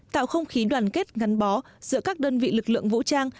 tạo không khí đoàn kết gắn bó giữa các đơn vị lực lượng vũ trang